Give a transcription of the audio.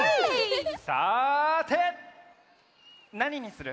さてなににする？